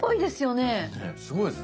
ねっすごいですね。